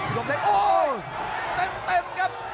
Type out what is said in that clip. โอ้โหเต็มครับ